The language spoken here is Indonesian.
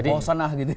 bosan lah gitu